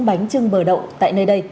bánh chưng bờ đậu tại nơi đây